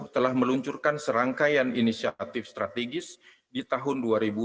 telah meluncurkan serangkaian inisiatif strategis di tahun dua ribu dua puluh